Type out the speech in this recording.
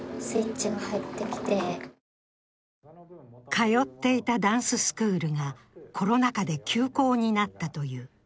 通っていたダンススクールがコロナ禍で休講になったという。